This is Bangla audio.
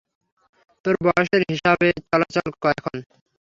তোর বয়সের হিসাবে চলাচল কর, এখন।